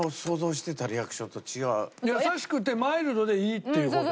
優しくてマイルドでいいっていう事だよ。